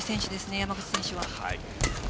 山口選手は。